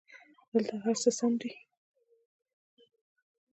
دلته هرڅه سم دي